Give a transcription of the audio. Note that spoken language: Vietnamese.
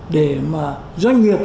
để mà doanh nghiệp